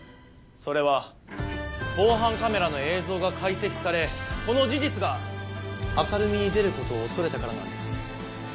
それは防犯カメラの映像が解析されこの事実が明るみに出る事を恐れたからなんです。